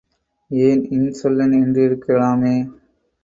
ஏன், இன்சொல்லன் என்றிருக்கலாமே.